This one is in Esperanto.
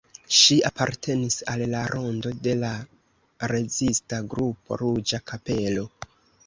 Ŝi apartenis al la rondo de la rezista grupo "Ruĝa Kapelo".